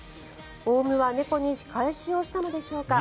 オウムは猫に仕返しをしたのでしょうか。